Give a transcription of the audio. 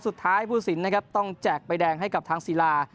สุดท้ายผู้สินนะครับต้องแจกใบแดงให้กับทางศิลา